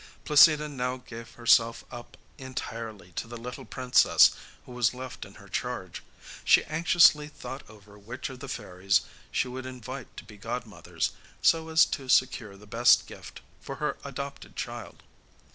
Placida now gave herself up entirely to the little princess who was left in her charge. She anxiously thought over which of the fairies she would invite to be godmothers, so as to secure the best gift, for her adopted child.